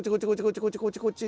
こっちこっちこっち。